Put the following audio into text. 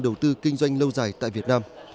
đầu tư kinh doanh lâu dài tại việt nam